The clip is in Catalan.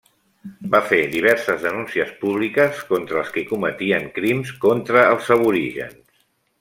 Va fer diverses denúncies públiques contra els qui cometien crims contra els aborígens.